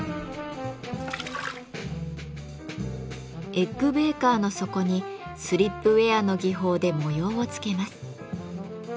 エッグ・ベーカーの底にスリップウェアの技法で模様をつけます。